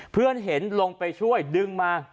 เพื่อนเห็นลงไปช่วยดึงมา